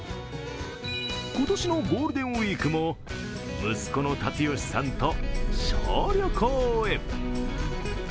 今年のゴールデンウイークも息子の龍宜さんと小旅行へ。